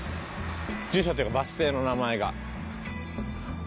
住所というかバス停の名前が。